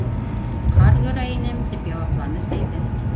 - Ҡар көрәй инем, - тип яуапланы Сәйҙә.